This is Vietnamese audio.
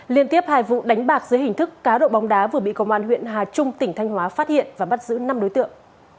liên tiếp hai vụ đánh bạc dưới hình thức cá độ bóng đá vừa bị công an huyện hà trung tỉnh thanh hóa phát hiện và bắt giữ năm đối tượng